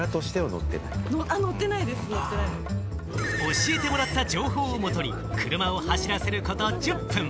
教えてもらった情報をもとに車を走らせること１０分。